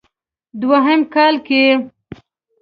دوهم کال کې